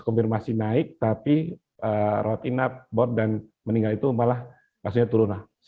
masih naik tapi rotina dan meninggal itu malah turun